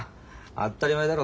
当ったり前だろ